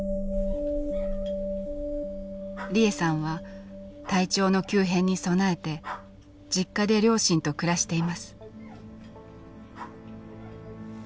利枝さんは体調の急変に備えて実家で両親と暮らしています。